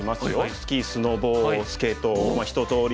スキースノボスケート一とおり